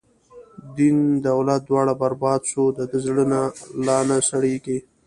دین دولت دواړه برباد شو، د ده زړه لانه سړیږی